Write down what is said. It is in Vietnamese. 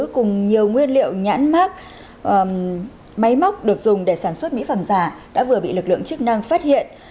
cùng nhiều nguyên liệu nhãn mát máy móc được dùng để sản xuất mỹ phẩm giả đã vừa bị lực lượng chức năng phát hiện